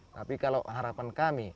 tapi kalau harapan kami